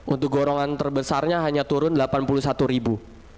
untuk gorongan terbesarnya hanya turun delapan puluh satu ribu